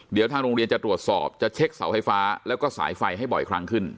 เดี๋ยวทางโรงเรียนจะตรวจสอบจะเช็คเสาไฟฟ้าแล้วก็สายไฟให้บ่อยครั้งขึ้น